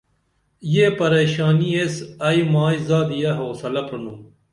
یہ پریشانی ایس ائی مائی زادیہ حوصلہ پرِنُم